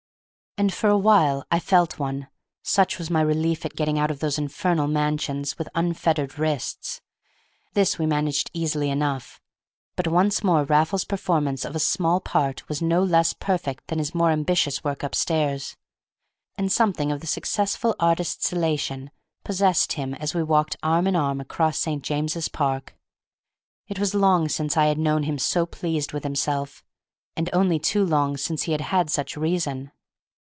And for a while I felt one, such was my relief at getting out of those infernal mansions with unfettered wrists; this we managed easily enough; but once more Raffles's performance of a small part was no less perfect than his more ambitious work upstairs, and something of the successful artist's elation possessed him as we walked arm in arm across St. James's Park. It was long since I had known him so pleased with himself, and only too long since he had had such reason.